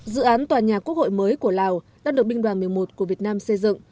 dự án tòa nhà quốc hội mới của lào đã được binh đoàn một mươi một của việt nam xây dựng